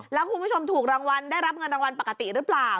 แล้วคุณผู้ชมถูกรางวัลได้รับเงินรางวัลปกติหรือเปล่า